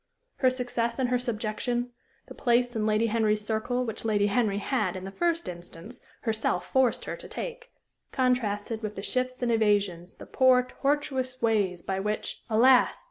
Her success and her subjection; the place in Lady Henry's circle which Lady Henry had, in the first instance, herself forced her to take, contrasted with the shifts and evasions, the poor, tortuous ways by which, alas!